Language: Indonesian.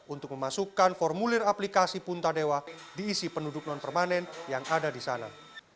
untuk memasukkan formulir aplikasi punta dewa diisi penduduk non permanen yang ada di sana